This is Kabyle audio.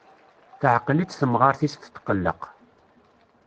Teɛqel-itt temɣart-is tetqelleq.